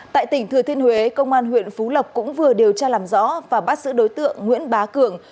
tại tỉnh thừa thiên huế công an huyện phú lộc cũng vừa điều tra làm rõ và bắt giữ đối tượng nguyễn bá cường